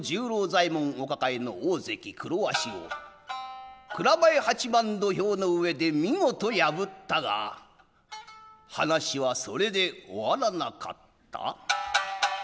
お抱えの大関黒鷲を蔵前八幡土俵の上で見事破ったが話はそれで終わらなかった。